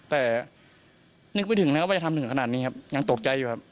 แต่นึกไม่ถึงนะครับว่าจะทำถึงขนาดนี้ครับยังตกใจอยู่ครับ